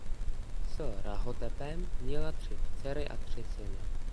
S Rahotepem měla tři dcery a tři syny.